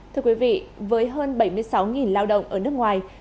thưa quý vị với hơn bảy mươi sáu lao động ở nước ngoài